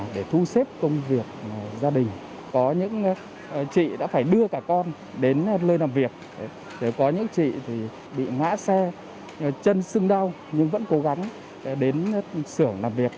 để thu xếp công việc gia đình có những chị đã phải đưa cả con đến lơi làm việc có những chị bị ngã xe chân xưng đau nhưng vẫn cố gắng đến sửa làm việc